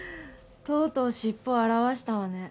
とうとう尻尾を現したわね。